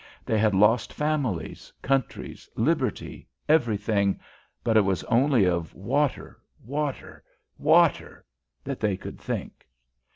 They had lost families, countries, liberty, everything, but it was only of water, water, water, that they could think.